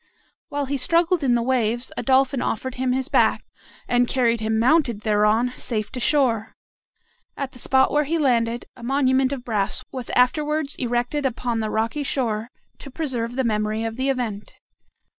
While he struggled in the waves, a Dolphin offered him his back, and carried him mounted thereon safe to shore. At the spot where he landed, a monument of brass was afterwards erected upon the rocky shore, to preserve the memory of the event.